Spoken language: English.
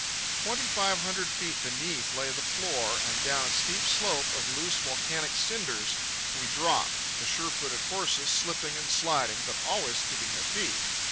Twenty five hundred feet beneath lay the floor, and down a steep slope of loose volcanic cinders we dropped, the sure footed horses slipping and sliding, but always keeping their feet.